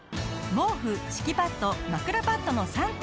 毛布敷きパッド枕パッドの３点。